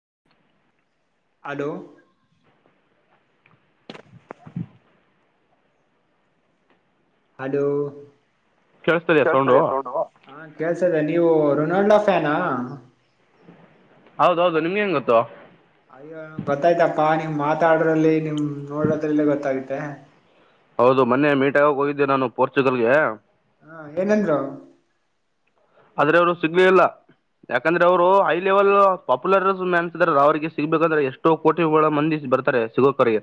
[unintelligible] Hello hello ಕೇಸ್ತಿದಿಯ sound ಹಾ ಕೇಳ್ ಸದೆ ನೀವು ರೊನಾಲ್ಡೋ ಫ್ಯಾನಾ ಹೌದೌದು ನಿಮ್ಗ್ ಹೆಂಗ್ ಗೊತ್ತು ಅಯ್ಯೋ ಗೊತ್ತಾಯ್ತಪ್ಪಾ ನೀವು ಮಾತಾಡ್ರಲ್ಲಿ ನಿಮ್ ನೋಡದ್ರಲ್ಲಿ ಗೊತ್ತಾಗತ್ತೆ ಹೌದು ಮೊನ್ನೆ ಮೀಟಾಗಕ್ ಹೋಗಿದ್ದೆ ನಾನು ಪೋರ್ಚುಗಲ್ಗೆ ಹಾ ಏನಂದ್ರು ಆದ್ರೆ ಅವ್ರು ಸಿಗ್ಲೆ ಇಲ್ಲ ಯಾಕಂದ್ರೆ ಅವರು ಹೈ ಲೆವೆಲ್ ಪಾಪುಲರ್ [unintelligible] ಅವ್ರರಿಗೆ ಸಿಗ್ಬೇಕಂದ್ರೆ ಎಷ್ಟೋ ಕೋಟ ಒಳ ಮಂದಿ ಬರ್ತಾರೆ ಸಿಗೋಕರಿಗೆ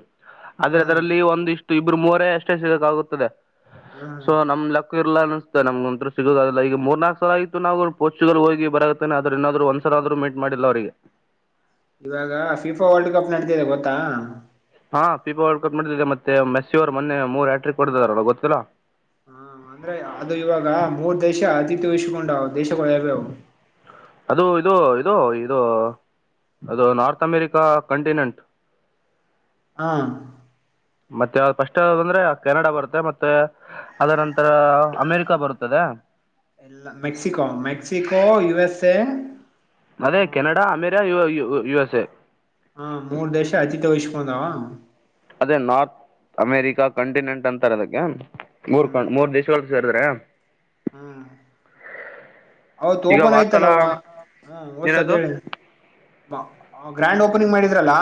ಹ್ಮ ಆದ್ರೆ ಅದರಲ್ಲಿ ಒಂದ ಇಷ್ಟು ಇಬ್ಬರು ಮೂರ ಅಷ್ಟೇ ಸಿಗಕಾಗುತ್ತದೆ ಹ್ಮ ಸೊ ನಮ ಲಕ್ [unintelligible] ಅಸ್ತೆ ನಮ್ಗ ಒಂ ಸಿಗುದದುಲ್ಲ ಈಗ ಮೂರ್ನಾಕು ಆಯ್ತು ನಾವು ಪೋರ್ಚುಗಲ್ ಹೋಗಿ ಬರತ್ತೇನೆ ಆದ್ರ ಇನ್ನನಾದ್ರು ಒಂದ್ಸಲ ಆದ್ರೂ ಮೀಟ್ ಮಾಡಿಲ್ಲ ಅವರಿಗೆ ಇವಾಗ ಫಿಫಾ ವರ್ಲ್ಡ್ ಕಪ್ ನಡಿತಿದೆ ಗೊತ್ತಾ ಹಾ ಪೀಪಾ ವರ್ಡ್ ಕಪ್ ಮಾಡಡಿದ್ದಿದೆ ಮತ್ತೆ ಮೆಸಿಯವರ್ ಮೊನ್ನೆ ಮೂರ್ ಆ್ಯಟ್ರಿಕ್ ಹೋಡ್ದಾರೆ ಒಳಗೆ ಗೊತ್ತಿಲ್ಲಾ ಹಾ ಅಂದ್ರೆ ಅದು ಇವಾಗ ಮೂರ್ ದೇಶ ಅತಿಥಿ ವಹಿಸ್ಕೊಂಡವ್ ದೇಶಗಳ್ ಯಾವ್ಯಾವು ದೊ ಇದು ಅದು ನಾರ್ತ್ ಅಮೆರಿಕಾ ಕಂಟಿನೆಂಟ್ ಹಾ ಮತ್ತೆ ಯಾವ್ ಫಸ್ಟ್ ಯಾವದಂದ್ರೆ ಕೆನಡಾ ಬರುತ್ತೆ ಮತ್ತೆ ಅದನಂತರ ಅಮೇರಿಕ ಬರುತ್ತದೆ ಎಲ್ಲ ಮೆಕ್ಸಿಕೋ ಮೆಕ್ಸಿಕೋ ಯುಎಸ್ ಎ ಅದೇ ಕೆನಡಾ ಅಮೇರಿಯ ಯ ಯು ಯು ಎಸ್ ಎ ಹಾ ಮೂರ್ ದೇಶ ಅತಿ [unintelligible] ವಹಿಸ್ಕಂದಾವ ಅದೇ ನಾರ್ತ್ ಅಮೇರಿಕಾ ಕಂಟಿನೆಂಟ್ ಅಂತಾರೆ ಅದಕ್ಕೆ ಮೂರ್ ಕ ಮೂರ್ ದೇಶಗಳ್ ಜರ್ದ್ರ ಹ್ಮ ಅವತ್ ಈಗ ಓಪನ್ ವಾತ್ಸಲ ಆಯ್ತಲ್ಲವ ಹ್ಮ ಹೊಸತಿ ಏನದು ಹೇಳಿ ಗ್ರ್ಯಾಂಡ್ ಓಪನಿಂಗ್ ಮಾಡಿದ್ರಲ್ಲ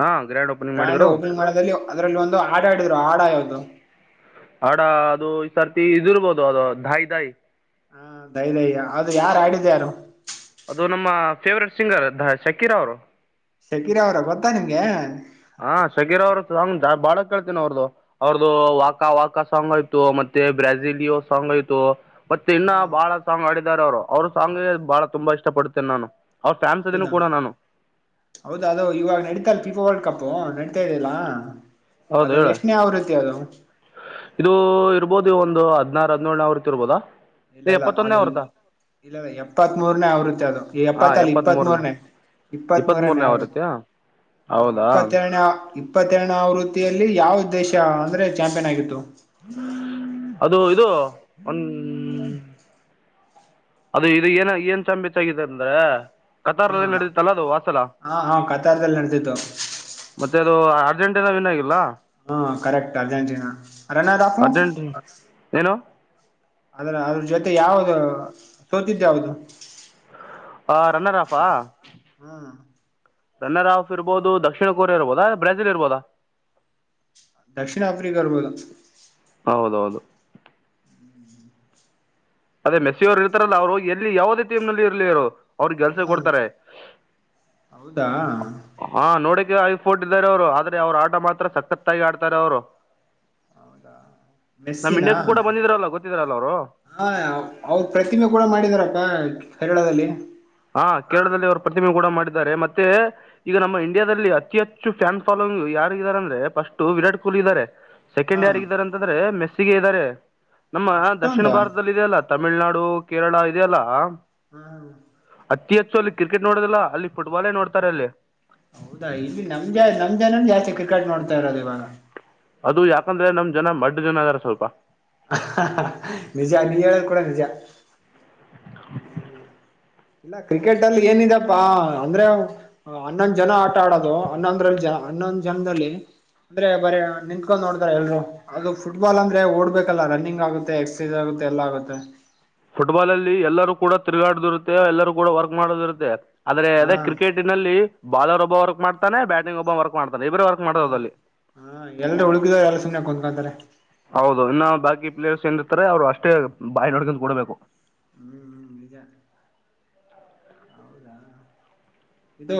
ಹಾಂ ಗ್ರ್ಯಾಂಡ್ ಓಪನಿಂಗ್ ಬ್ರ್ಯಾಂಡ್ ಮಾಡಿದರು ಓಪನ್ ಮಾಡೋಲ್ಲಿ ಅದ್ರಲ್ಲಿ ಒಂದು ಆಡ ಆಡಿದ್ರು ಆಡ ಯಾವ್ದು ಹಡ ಅದು ಈ ಸರ್ತಿ ಇದಿರ್ಬೋದು ಅದು ದಾಯಿ ದಾಯಿ ಹಾ ದಯ ದಯ್ಯ ಅದು ಯಾರು ಆಡಿದ ಯಾರು ಅದು ನಮ್ಮ ಫೇವ್ರೇಟ್ ಸಿಂಗರ್ ದ ಶಕಿರ ಅವ್ರು ಶಕೀರ ಅವರ ಗೊತ್ತಾ ನಿಮ್ಗೆ ಹಾ ಶಕೀರ್ ಅವ್ರ ಸಾಂಗ್ ಬಾಳ ಕೇಳ್ತೇನ ಅವ್ರದು ಅವ್ರದು ವಾಕಾ ವಾಕ ಸಾಂಗ್ ಆಯ್ತು ಮತ್ ಬ್ರೆಜಿಲಿಯೋ ಸಾಂಗಾಯ್ತು ಮತ್ತೆ ಇನ್ನ ಹಾ ಬಾಳ ಸಾಂಗ್ ಆಡಿದಾರ ಅವ್ರು ಅವ್ರ ಸಾಂಗ್ಗೆ ಬಾಳ ತುಂಬಾ ಇಷ್ಟ ಪಡ್ತೇನೆ ನಾನು ಅವ್ರ ಫ್ಯಾನ್ಸ್ ಇದೀನಿ ಹೌದಾ ಕೂಡ ನಾನು ಹೌದಾ ಅದು ಇವಾಗ ನಡೀತಲ್ ತಿಫಾ ವರ್ಲ್ಡ್ ಕಪ್ ಓ ನಡತಾ ಇದೆಲ್ಲ ಹೌದ್ ಹೇಳ ಇದು ಇರ್ಬೋದು ಒಂದು ಅ ಅದ್ನಾರ್ ಅದ್ನೋಲ್ ಅವರ್ತಿ ಇರ್ಬೋದ ಇಲ್ಲ ಇಲ್ಲ ಅದು ಇಲ್ಲ ಎಪ್ಪತ್ ಮೂರನೇ ಆೃತ್ತಿ ಅದು ಹಾಂ ಎಪ್ಪತ್ತಲ್ಲಿ ಎಪ್ಪತ್ತ್ ಇಪ್ಪತ್ತ್ ಮೂರನೇ ಇಪ್ಪತ್ತ್ ಮೂೂರನೇ ಮೂರನೇ ಅವೃತ್ತ ಆವೃತ್ತಿ ಹ್ಮ ಹೌದಾ ಇಪ್ಪತ್ತೆರನೇ ಇಪ್ಪತ್ತೆರನೇ ಅವೃ ಲ್ಲಿ ಯಾವ ದೇಶ ಅಂದ್ರೆ ಚಾಂಪಿಯನ್ ಆಗಿತ್ತು ಅದು ಇದು ಒ ಅದು ಇದು ಏನ ಏನ್ ಚಂಬಿತ್ಗಾಗಿದೆ ಅಂದ್ರ ಹಾ ಕತಾರ್ಲ್ಲಿ ನಡದತ್ತಲ್ಲ ಅದು ವಾಸಲ ಹಾ ಹಾ ಕತಾರ್ದಲ್ಲಿ ನಡೆದಿತ್ತು ಮತ್ತೆ ಅದು ಅಜಂಟನ ನ್ ಆಗಿಲ್ಲ ಹಾ ಕರೆಕ್ಟ್ ಅರ್ಜೆಂಟೀನಾ ರನ್ನ ಹಾಫ್ ಅರ್ಜೆಂಟಿ ಏನು ಅದ್ರ ಅದ್ರ ಜೊತೆ ಯಾವ್ದ ಸೋತಿದ್ದ ಯಾವ್ದ ಆ ರನ್ನರ್ ಅಪ್ ಹ್ಮ್ ರನ್ನರಾಫ್ ಇರ್ಬೋದು ದಕ್ಷಿಣ ಕೊರಿಯಾ ಇರ್ಬೋದಾ ಬ್ರಾಜಿಲ್ ಇರ್ಬೋದಾ ದಕ್ಷಿಣ ಆಫ್ರಿಕಾಬೋದ ಹೌದೌದು ಅದೇ ಮೆಸ್ಸಿಯವರು ಇರ್ತಾರಲ್ಲ ಅವ್ರು ಎಲ್ಲಿ ಯಾವವುದೇಟೀಮ ನಲ್ಲಿ ಇರ್ಲಿ ಅವ್ರ ಕೆಲ್ಸ ಹಾ ಕೊಡ್ತಾರೆ ಹೌದಾ ಹಾ ನೋಡ ಐಫೋಟ್ ಇದಾರೆ ಅವರು ಆದ್ರೆ ಅವರು ಆಟ ಮಾತ್ರ ಸಕ್ಕತ್ತಾಗಿ ಆಡ್ತಾರೆ ಅವ್ರು ಹೌದಾ ನಮ ಮೆಸ್ಸಿನಾ ಇಂಡ್ಯಕ್ಕೂ ಕೂಡ ಬಂದಿದ್ರಲ್ಲ ಗೊತ್ತಿದ್ರಲ್ಲ ಅವರು ಅವದ ಪ್ರತಿಮೆ ಕೂಡ ಮಾಡಿದಾರಪ್ಪ ಕರಳದಲ್ಲಿ ಹಾ ಕೇರಳದಲ್ಲಿ ಅವರು ಪ್ರತಿಮೆ ಕೂಡ ಮಾಡಿದ್ದಾರೆ ಮತ್ತೆ ಈಗ ನಮ್ಮ ಇಂಡಿಯಾದಲ್ಲಿ ಅತಿ ಹೆಚ್ಚು ಫ್ಯಾನ್ ಫಾಲೋ ಯಾರ ಇದಾರೆ ಅಂದ್ರೆ ಫಸ್ಟ್ ವಿರಾಟ್ ಕೊಹ್ಲಿ ಇದ್ದಾರೆ ಹಾ ಸೆಕೆಂಡ್ ಯಾರಗಿದ್ದಾರೆ ಅಂತಂದ್ರೆ ಮೆಸ್ಸಿಗೆ ಇದ್ದಾರೆ ನಮ್ಮ ಅಷ್ಟೊಂದ ದಕ್ಷಿಣ ಭಾರತದಲ್ಲಿ ಇದೆ ಅಲ್ಲ ತಮಿಳ್ನಾಡು ಕೇರಳ ಇದೆ ಅಲ್ಲ ಹ್ಮ ಹ ಅತಿ ಹೆಚ್ಚು ಅಲ್ಲಿ ಕ್ರಿಕೆಟ್ ನೋಡೋದಿಲ್ಲ ಅಲ್ಲಿ ಪುಟ್ಬಾಲ್ ನೋಡ್ತಾರೆ ಅಲ್ಲಿ ಹೌದಾ ಇಲ್ಲಿ ನಮ್ ಜ ನಮ್ ಜನನ್ ಜಾಸ್ತಿ ಕ್ರಿಕೆಟ್ ನೋಡ್ತಾ ಇರೋದು ಇವಾಗ ಅದು ಯಾಕಂದ್ರೆ ನಮ್ ಜನ ಮಡ್ ಜನ ಅದಾರ ಸ್ವಲ್ಪ ನಿಜ ನೀ ಹೇಳದು ಕೂಡ ನಿಜ ಇಲ್ಲ ಕ್ರಿಕೆಟ್ ಅಲ್ಲಿ ಏನಿದೆಪ್ಪಾ ಅಂದ್ರೆ ಹನ್ನೊಂದ್ ಜನ ಆಟ ಆಡೋದು ಹನ್ನೊಂದ್ರಲ್ಲಿ ಜನ ಹನ್ನೊಂದು ಜನದಲ್ಲಿ ಅಂದ್ರೆ ಬರ ನಿಂತ್ಕೊಂಡ್ ನೋಡತಾರ ಎಲ್ರು ಅದು ಫುಟ್ಬಾಲ್ ಅಂದ್ರೆ ಓಡ್ಬೇಕಲ್ಲ ರನ್ನಿಂಗ್ ಆಗುತ್ತೆ ಎಕ್ಸರ್ಸೈಸ್ ಆಗುತ್ತೆ ಎಲ್ಲ ಆಗುತ್ತೆ ಫುಟ್ಬಾಲ್ ಅಲ್ಲಿ ಎಲ್ಲರೂ ಕೂಡ ತಿರುಗಾಡ್ದ ಇರುತ್ತೆ ಎಲ್ಲರೂ ಕೂಡ ವರ್ಕ್ ಮಾಡೋದಿ ಇರುತ್ತೆ ಆದ್ರೆ ಹಾ ಅದೇ ಕ್ರಿಕೆಟನಲ್ಲಿ ಬಾಲರ್ ಒಬ್ಬ ವರ್ಕ್ ಮಾಡ್ತಾನೆ ಬ್ಯಾಟಿಂಗ್ ಒಬ್ಬ ವರ್ಕ್ ಮಾಡ್ತಾರೆ ಲೈಬ್ರ ವರ್ಕ್ ಹ ಮಾಡದುದ ಅಲ್ಲಿ ಹಾ ಎಲ್ರು ಉಳಕಿದವ್ರು ಎಲ್ಲ ಸುಮ್ನೆ ಕುತ್ಕೊಂತಾರೆ ಹೌದು ಇನ್ನ ಬಾಕಿ ಪ್ಲೇಯರ್ಸ್ ಏನ್ರ್ತಾರೆ ಅವ್ರು ಅಷ್ಟೇ ಬಾಯಿ ನೋಡ್ಕೊಂಡ ಕೊಡ್ಬೇಕು ಹ್ಮ್ ಹ್ಮ್ ನಿಜ ಹೌದಾ ಇದು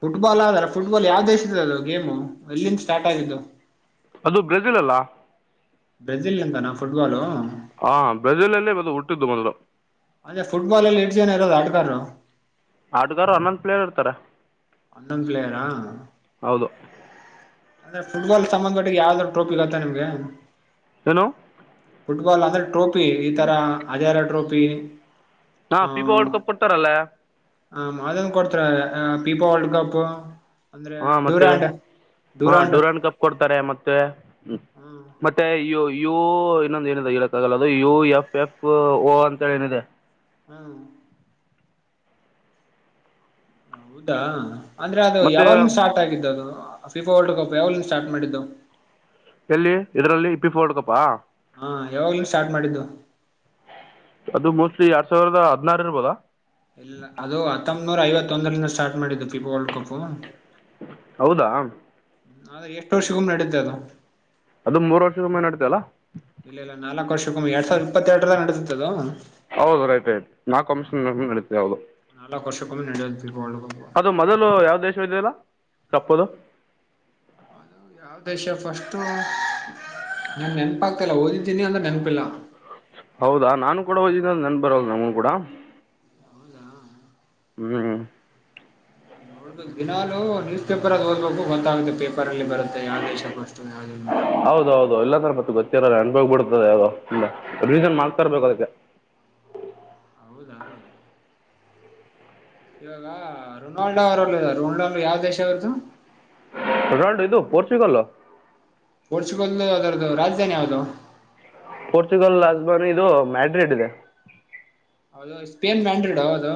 ಫುಟ್ಬಾಲ್ ಆದಾರ ಫುಟ್ಬಾಲ್ ಯಾವ ದೇಶದ ಅದು ಗೇಮು ಎಲ್ಲಿಂದ ಸ್ಟಾರ್ಟ್ ಆಗಿದ್ದು ಅದು ಬ್ರೆಜಿಲ್ ಅಲ್ಲ ಬ್ರೆಜಿಲ್ ಅಂತಾನ ಫುಟ್ಬಾಲ್ ಹಾ ಬಜಲಲ್ಲೇ ಬದು ಹುಟ್ಟಿದ್ದು ಬಂದ್ ಅಂದೆ ಫುಟ್ಬಾಲ್ ಅಲ್ಲಿ ಇಷ್ಟ ಜನ ಇರೋದು ಆಡ್ಗಾರರು ಆಡುಗಾರು ಹನ್ನೊಂದ ಪ್ಲೇಯರ್ ಇರ್ತಾರ ಅಂದಂಗಳಾರಾ ಅಂದ್ರೆ ಫುಟ್ಬಾಲ್ ಸಂಬಂಧ ಒಟ್ಟಿಗೆ ಯಾವ್ದ ಟ್ರೋಫಿ ಗತ್ತಾ ನಿಮ್ಗೆ ಹನು ಫುಟ್ಬಾಲ್ ಅಂದ್ರೆ ಟ್ರೋಫಿ ಈ ತರ ಹಜಾರ ಟ್ರೋಫಿ ಹಾ ಪೀಪಾ ಹೊಡ್ಕಪ್ ಕೊಡ್ತಾರಲ್ಲ ಹ ಮಾದನ್ ಕೊಡ್ತಾರ ಪೀಪಾ ವರ್ಲ್ಡ್ ಕಪ್ ಅಂದ್ರೆ ಡೂರಂಡ್ ಹಾ ಡೂರನ್ ಕಪ್ ಕೊಡ್ತಾರೆ ಮತ್ತೆ ಹ್ಮ್ ಮತ್ತೆ ಅಯ್ಯೋ ಯು ಇನ್ನೊಂದು ಏನಿದೆ ಹೇಳಕ್ಕ ಆಗಲ್ಲ ಅದು ಯು ಎಫ್ ಎಫ್ ಓ ಅಂತೇಳಿ ಏನಿದೆ ಹ್ಮ ಹೌದಾ ಅಂದ್ರೆ ಅದು ಮತ್ತೆ ಯಾವಾಗ್ಲ ಸ್ಟಾರ್ಟ್ ಆಗಿದ್ದದು ಫಿಫಾ ವರ್ಲ್ಡ್ ಕಪ್ ಯಾವಲ್ಲಿ ಸ್ಟಾರ್ಟ್ ಮಾಡಿದ್ದು ಎಲ್ಲಿ ಇದ್ರಲ್ಲಿ ಇಪ್ಪಿ ಪೋಡ್ಕಪ್ಪಾ ಹಾ ಯಾವಾಗ್ಲೂ ಸ್ಟಾರ್ಟ್ ಮಾಡಿದ್ದು ಎರಡ್ ಸಾವರದ ಹದ್ಾರು ಇರ್ಬೋದಾ ಇಲ್ಲ ಅದು ಹತ್ತೊಂಬನೂರ ಐವತ್ತೊಂದರಿಂದ ಸ್ಟಾರ್ಟ್ ಮಾಡಿದ್ದು ಫಿಪೋ ವರ್ಲ್ಡ್ ಕಪ್ ಹೌದಾ ಆದ್ರೆ ಎಷ್ಟು ವರ್ಷಗೂಮ್ಮ ನಡುತ್ತೆ ಅದ ಅದು ಮೂರು ವರ್ಷಕೊಮ್ಮೆನೆ ನಡ್ತ ಅಲ್ಲಾ ಇಲ್ಲ ಇಲ್ಲ ನಾಲ್ಕಕ್ ವರ್ಷಕ್ಕೊಮ್ಮೆ ಎರಡ್ ಸಾವಿರ ಇತ್ತರ್ರ ನಡೆಸತದು ಹೌದು ರೈತ ಆ್ತ ನಾ ಕಮಿಷನ್ ನತ ಯಾದು ನಾಲ್ಕು ವರ್ಷಕ್ಕೊಮ್ಮೆ ನಡೆಯುತ್ತೆ ವರ್ಲ್ಡ್ ಕಪ್ ಅದು ಮೊದಲು ಯಾವ ದೇಶ ಇದಲ್ಲ ಕಪ್ಪದು ಅದು ಯಾವ ದ ವಿಷಯ ಫಸ್ಟು ನಿಮ್ ನೆನಪಾಗ್ತಲ್ಲ ಓದಿದ ಇನ ಅಂತ ತೆನಪಿಲ್ಲ ಹೌದಾ ನಾನು ಕೂಡ ಹದ ನನ್ ಬರಲ್ಲ ನವುನು ಕೂಡ ಹ್ಮ್ ನೋಡ್ಬೇಕು ದಿನಾಲು ನ್ಯೂಸ್ ಪೇಪರ್ ಅದು ದ್ಬೇಕು ಗೊತ್ತಾಗುತ್ತೆ ಪೇಪರ್ ಅಲ್ಲಿ ಬರುತ್ತೆ ಯಾವ ದೇಶ ಫಸ್ಟು ಯಾವ್ದಿಲ್ಲ ಅಂತ ಹೌದೌದು ಎಲ್ಲಾಂದ್ರೆ ಮತ್ತ ಗೊತ್ತ ಅನ್ಪೋಗ್ ಬಿಡ್ತದೆ ಯೋೀನ್ ಮಾಡ್ತರ್ಬೇಕು ಅದಕ್ಕೆ ಹೌದಾ ಇವಾಗ ರೊನಾಲ್ಡೋ ಅವರಲ್ಲ ರೊನಾಲ್ಡೋ ಯಾವ್ ದೇಶ ಅವರದುು ರೋನಾಲ್ಡೋ ಇದು ಪೋರ್ಚುಗಲ್ ಪೋರ್ಚುಗಲ್ ಅದರ್ದು ರಾಜಧಾನಿ ಯಾವದು ಪೋರ್ಚುಗಲ್ ಅಜ್ಮನ್ ಇದು ಮ್ಯಾಡ್ರಿಡ್ ಇದೆ ಹೌದು ಸ್ಪೇನ್ ಮ್ಯಾಂಡ್ರಿಡ್ ಅದು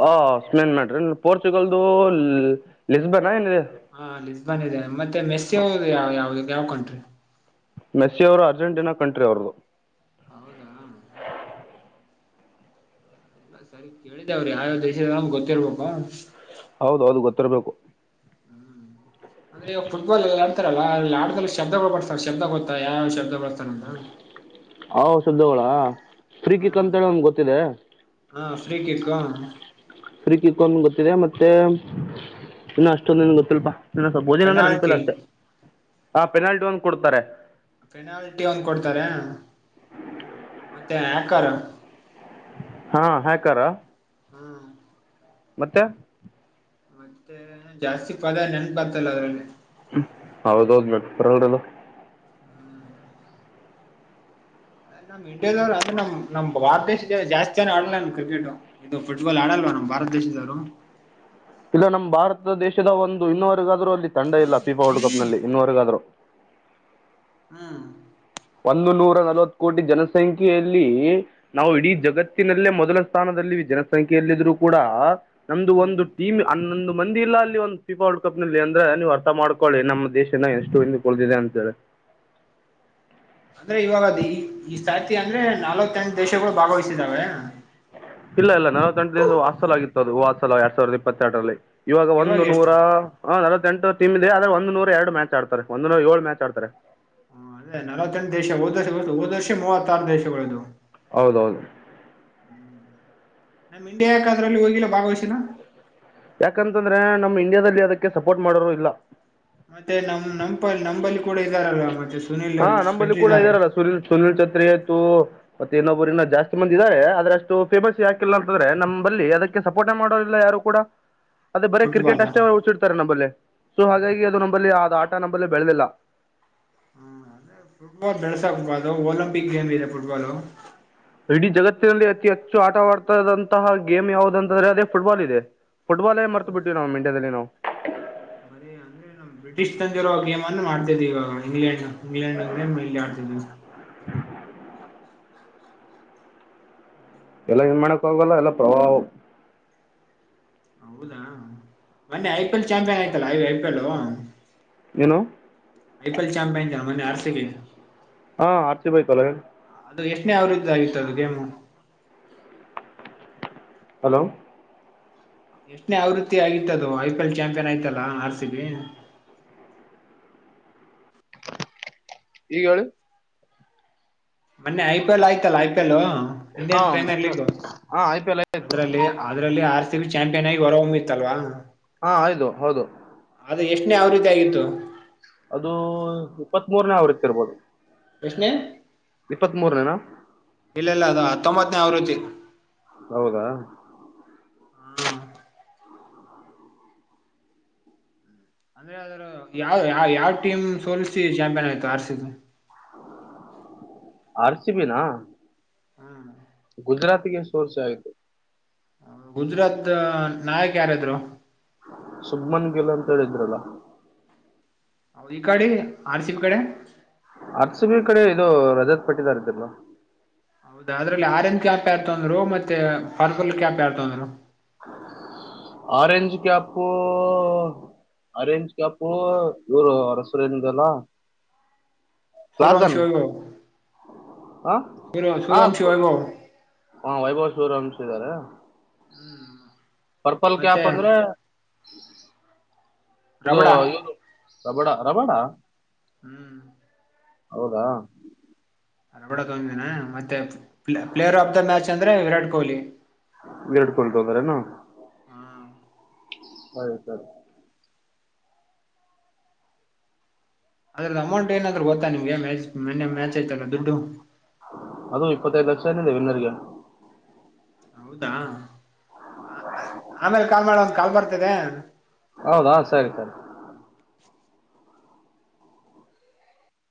ಹ ಸ್ೇನ್ ಮಾಡ್ರಿ ಪೋರ್ಚುಗಲ್ದು ಲಿಸ್ಬನ್ ಏ ಹಾ ಲಿಿಸಬಾನ್ ಇದೆ ಮತ್ತೆ ಮೆಸ್ಸಿ ಅವ ಯಾವ ಯಾವ್ದ ಯಾವಕಂ್ರಿ ಮೆಸ್ಸಿ ಅವರು ಅರ್ಜೆಂಟೀನಾ ಕಂಟ್ರಿ ಅವ್ರದುು ಹೌದಾ ಎಲ್ಲ ಸರಿ ಕೇಳಿದೆೇವ್ರಿ ಯಾವ ದೇಶದಮ ಗೊತ್ತಿರ್ಬೇಕು ಹೌದ ಹೌದು ಗೊತ್ತಿರ್ಬೇಕು ಅಂದ್ರೆಗಾಗಫುಟ್ಬಾಲ್ ಎಲ್ಲ ಗಲ್ಲ ಅಲ್ಲಿ ಆದಲ್ಲಿ ಶಬ್ದಗಳು ಬರ್ತಾರೆ ಶಬ್ದ ಗೊತ್ತಾ ಯಾವ ಶಬ್ದ ಬರ್ತಾರ ಅಂತ ಹಾ ಸ್ದವಳ ಹ್ಮ ಫ್ರೀಕಿಕ್ಂತೇಳಿ ನಮ್ಗೆ ಗೊತ್ತಿದೆ ಹಾ ಫ್ರೀ ಕಿಕ್ ್ರೀಕಿಕೊಂಡ ಗೊತ್ತಿದೆ ಮತ್ತೆ ಮತ್ತೆ ಇನ್ನು ಅಷ್ಟೊನ್ ಗೊತ್ತಿಲ್ಪಾ ಇನ್ನ ಸ್ವಲ್ಪ ಓದಿನ ಅಂದ್ರೆ ಅಂಪಿಿಲ್ಲ ಪೆನಾಲ್ಟಿ ಅಷ್ಟೇ ಹಾ ಪೆನಾಲ್ಟಿ ಒಂದು್ ಕೊಡ್ತಾರೆ ಪಫೆನಾಲ್ಟಿ ಒಂಗ್ ಕೊಡ್ತಾರ ಮತ್ತೆ ಯ ಕ ಹಾ ಹೇಕ ಹ್ಮ್ ಮತ್ತೆ ಮತ್ತೆ ಜಾಸ್ತಿ ಪದ ನೆನ್ಪಾತಲ್ಲ ಅದ್ರಲ್ಲಿ ಹೌದೌದ ಮೇ ಬರಲ್ರಿದು ನಮ್ಮ ಇಂಡಿಯಾದವ್ ಅ್ರೆ ನಮ ನಮ್ ಭಾರತ ದೇಶಕ್ಕೆ ಜಾಸ್ತಿ ಜನ ಆಡಲ್ಲ ನ ಕ್ರಿಕೆಟ್ ಇದು ಫುಟ್ಬಾಲ್ ಆಡಲ್ವ ನಮ್ಮ ಭಾರತ ದೇಶದಾರು ಇಲ್ಲ ನಮ್ಮ ಭಾರತ ದೇಶದ ಒಂದು ಇನ್ನವರ್ಗಾದ್ರೂ ಅಲ್ಲಿ ತಂಡ ಇಲ್ಲ ಪಫೀಫಾ ವರ್ಲ್ಡ್ ಕಪ್ ನಲ್ಲಿ ಇನ್ನವರೆಗಾದ್ೂ ಹ್ಮ್ ಒಂದು ನೂರ ನಲವತ್ ಕೋಟಿ ಜನಸಂಖ್ಯೆಯಲ್ಲಿ ನಾವು ಇಡೀ ಹ್ಮ್ ಜಗತ್ತಿನಲ್ಲೇ ಮೊದಲ ಸ್ಥಾನದಲ್ಲಿ ಜನಸಂಖ್ಯಲ್ಲ ಇದ್ರು ಕೂಡ ನಮ್ದ ಒಂದು ಹ್ಮ್ ಟೀಮ್ ಅನ್ನೊಂದು ಮಂದಿ ಇಲ್ಲ ಅಲ್ಲಿ ಒಂದ್ ಸ್ೀಪಾ [unintelligible] ವರ್ಡ್ ಕಪ್ನಲ್ಲಿ ಅಂದ್ರೆ ನೀವು ಅರ್ಥ ಮಾಡ್ಕೊಳ್ಳಿ ನಮ್ಮ ದೇಶನ ಎಷ್ಟು ಹಿಂದ ಕುಳ್ದಿದೆ ಅಂತ ಹೇಳಿ [unintelligible] ಅಂದ್ರೆ ಇವಾಗದ ಈ ಸಾಹಿತಿ ಅಂದ್ರೆ ನಾವತ್ತೆಂಟು ದೇಶಗಳು ಭಾಗವಹಿಸಿದಾವೆ ಇಲ್ಲ ಇಲ್ಲ ನವತ್ತೆಂಟು ದಿವಸ ವಾಾಸಲಲ್ ಆಿತ್ತು ಅದು ವಾತ್ಸಲ ಎರಡ್ ಸಿರದ ಇಪ್ಪತ್ತೆರಡರಲ್ಲಿ ಇವಾಗ ಒಂದು ನೂರ ಹ ನವತ್ತತ್ಂಟ ಟಮ ಇದೆ ಆದ್ರೆ ಒಂದ ನೂರ ಎರ ಮ್ಯಾಚ್ ಆಡ್ತ ಒಂದ ನೂರ ಏಳ್ ಮ್ಯಾಚ್ ಆಡ್ತಾರೆ ಹ ಅದೇ ನಲವತ್ತೆಂಟು ದೇಶ ಹದ್ ವರ್ಷ ಹೋದ ವರ್ಷ ಮೂವತ್ತಾರು ದೇಶಗಳಿದ್ವು ಹೌದೌದು ನಮ್ ಇಂಡಿಯಾ ಯಾಕದ್ರಲ್ಲಿ ಹೋಗಿಲ್ಲ ಭಾಗವಹಿಸಿನ ಯಾಕಂತಂದ್ರೆ ನಮ್ ಇಂಡಿಯಾದಲ್ಲಿ ಅದಕ್ಕೆ ಸಪೋರ್ಟ್ ಮಾಡರು ಇಲ್ಲ ಮತ್ತೆ ನಮ್ ನಪ ನಂಬಲ್ಲಿ ಕೂಡ ಇದ್ದಾರಲ್ಲ ಮತ್ತೆ ಸುನಿಲ್ ಹಾ ನಂಬಲ್ಲಿ ಕೂಡ ಕಟ್ರಿದ್ದಾರೆ ಇದಾರಲ್ಲ ಸುನೀಲ್ ಸುನಿಲ್ ಛತ್ರಿ ಆಯ್ತು ಮತ್ತೆೇಏನೊಬ್ಬರಿನ ಜಾಸ್ತಿ ಮಂದ ಇದಿದ್ದಾರೆಾರೆ ಆದ್ರಷ್ಟು ಫೇಮಸ್ ಯಾಕಿಲ್ಲ ಅಂತಂದ್ರೆ ನಲ್ಲಿ ಅದಕ್ಕೆ ಸಪೋರ್ಟೇ ಮಾಡೋದಿಲ್ಲ ಯಾರು ಕೂಡ ಅದೇ ಬರ ಕ್ರಿಕೆಟ್ ಫುಟ್ಬಾಲ್ ಅಷ್ಟೇ ಹಚ್ಚಿಡ್ತಾರೆ ನಂಬಲ್ಲಿ ಸೊ ಹಾಗಾಗಿ ಅದು ನಂಬಲ್ಲಿ ಆದ ಆಟ ನಮ್ಮಲ್ಲಿ ಬೆಳೆದಿಲ್ಲ ಹ್ಮ್ ಅದ ಫುಟ್ಬಾಲ್ ಬೆಳಸಾಕ್ಬ ಅದು ಒಲಿಂಪಿಕ್ ಗೇಮ್ ಇದೆ ಫುಟ್ಬಾಲ್ ಇಡೀ ಜಗತ್ತಿನಲ್ಲಿ ಅತಿ ಹೆಚ್ಚು ಆಟವಾಡ್ತದಂತಹ ಗೇಮ್ ಯಾವ್ದಂತಂದ್ರೆ ಅದೇ ಫುಟ್ಬಾಲ್ ಇದೆ ಫುಟ್ಬಾಾಲೇ ಮರ್ತ ಬಿಟ್ಟವಿ ನಾವು ಇಂಡಿಯಾದಲ್ಲಿ ನಾವು ಬರೇ ಅಂದ್ರೆ ನ ಬ್ರಿಟಿಷ್ ತಂದಿರರುವ ಗೇಮ್ ಅನ್ನ ಮಾಡ್ತಿದ್ ಇವಾಗ ಇಂಗ್ಲೆಂಡ್ ಇಂಗ್ಲೆಂಡ್್ರ [unintelligible] ಮ ಇಲ್ಲಿ ಆಡ್ತದೆ ಹ್ಮ [unintelligible] ಎಲ್ಲ ಏನ್ ಮಾಡಕ್ ಆಗಲ್ಲ ಎಲ್ಲ ಪ್ರಭಾವ ಹೌದಾ ಮೊನ್ನೆ ಐ ಪಿ ಎಲ್ ಚಾಂಪಿಯನ್ ಆಯ್ತಲ್ಲ ಇ ಐ ಪಿ ಎಲ್ ಏನು ಆಐಪಿಎಲ್ ಚಾಮಂಪಿಯನ್ ಮ ಆರ್ಸ ಹಾ ಆ ರ ಸಿ ಬಿ [unintelligible] ಯತಲ ಅದು ಎಷ್ಟನೇ ಅವರದ್ದ ಆಾಗಿತ್ತು ಅದು ಗೇಮು ಹಲೋ ಎಷ್ಟನೇ ಆವೃತ್ತಿ ಆಗಿತದು ಐ ಪಿ ಎಲ್ ಚಾಂಪಿಯನ್ ಆಯ್ತಲ್ಲ ಆರ್ಸ ಬಿ [inaudible] ಈಗ ಹೇಳು ಮೊನ್ನೆ ಐ ಪಿ ಎಲ್ ಆಯ್ತಲ್ಲಾ ಐ ಪಿ ಎಲ್ ಹಾ ಇಂಡಿಯನ್ ಪ್ರೀಮಿಯರ್ ಐಪಿಎಲ್ ಲೀಗು ಹಾ ಐ ಪಿ ಎಲ್ ಆಯ್ತು ಅ್ರಲ್ಲಿ ಅದ್ರಲ್ಲಿ ಆರ್ ಸಿ ಚಾಂಪಿಯನ್ ಆಗಿ ಹೊರ ಹೊಮ್ಮ್ಿರ್ತ್ತಲ್ವಾ [unintelligible] ಹಾ ಆಯು ಹೌದು ಎಷ್ಟನೇ ಯಾವ ರೀತಿ ಆಗಿತ್ತು ಅದು ಇಪ್ಪತ್ತ್ ಮೂರನೇ ಅವ್ರತ್ತ ಇರ್ಬೋದು ಎಷ್ಣ ಇಪ್ಪತ್ತ್ ಮೂರನೇನಾ ಇಲ್ಲ ಇಲ್ಲ ಅದ ಹತ್ತೊಂಬತ್ತನೇ ಅವರುತ್ತಿ ಹೌದಾ ಹ್ಮ್ ಅಂದ್ರೆ ಅದ್ರ ಯಾವ ಯಾವ ಯಾವ್ ಟೀಮ್ ಸೋಲ್ಸಿ ಚಾಂಪಿಯನ್ ಆಯತು ಆರ್ಸಗ ಆರ್‌ಸಿಬಿ ನಾ ಹ್ಮ ಗುಜರಾತ್ಗೆ ಸೋರ್ಸ್ ಆಯ್ತು ಗುಜರಾತ್ ನಾಯಕ್ ಯಾರಾದ್ರು ಸುಬ್್ಮನ್ [unintelligible] ಗಿಲ ಅಂತ ಹೇಳಿದ್ರಲ್ಲ ಹೌದ ಈ ಕಡೆ ಆರ್ ಸಿ ಬಿ ಕಡೆ ಆರ್‌ಸಿಬಿ ಕಡೆ ಇದು ರಜತ್ ಪಟ್ಟಿದಾರ ಇದ್ದಲ್ಲ ಹೌದದ್ರಲ್ಲಿ ಆರೆಂಜ್ ಕ್ಯಾಪ್ ಯಾರ್ತಂದ್ರು ಮತ್ತೆ ಪರ್ಪಲ್ ಕ್ಯಾಪ್ ಯಾರ್ತಂದ್ರು? ಆರೇಂಜ್ ಕ್ಯಾಪು ಅರೆೇಂಜ್ ಕ್ಯಾಪು ಇವ್ರು ಅವ್ರ್ ಹೆಸ್ರು ಏನಿದ್ಯಲ್ಲಾ ತಿರುವಂಶಿ ಅವ್ರಿಗೂ ಆ ಹಾಂ ಹಾ ವೈಭವ್ ಸೂರ್ಯವಂಶಿ ಇದ್ದಾರೆ. ಹ್ಮ್ ಪರ್ಪಲ್ ಮತ್ತೆ ಕ್ಯಾಪ್ ಅಂದ್ರೆ ಇದು ರಬಡ ಇವನು ರಬಡ ರಬಡ ಹ್ಮ್ ಹೌದಾ? [unintelligible] ಮತ್ತೆ ಪ್ಲೇಯರ್ ಆಫ್ ದ ಮ್ಯಾಚ್ ಅಂದ್ರೆ ವಿರಾಟ್ ಕೊಹ್ಲಿ. ವಿರಾಟ್ ಕೊಹ್ಲಿ ಬಂದ್ರೇನು ಹಾ ಆಯ್ತು. ಅದ್ರಲ್ ಅಮೌಂಟ್ ಏನಾದ್ರೂ ಗೊತ್ತಾ ನಿಮ್ಗೆ ಮ್ಯಾಚ್ ಮೊನ್ನೆ ಮ್ಯಾಚ್ ಆಯ್ತಲ್ಲ ದುಡ್ಡು? ಅದು ಇಪ್ಪತ್ತೈದ್ ಲಕ್ಷ ಏನೊ ಇದೆ ವಿನ್ನರ್ಗೆ. ಹೌದಾ ಆಮೇಲ್ ಕಾಲ್ ಮಾಡ್ಲ ಒಂದ್ ಕಾಲ್ ಬರ್ತಿದೆ? ಹೌದಾ ಸರಿ ಸರಿ.